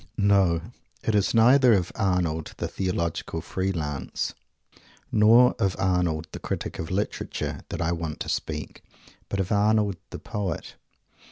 No, it is neither of Arnold, the Theological Free Lance, or of Arnold, the Critic of Literature, that I want to speak, but of Arnold, the Poet.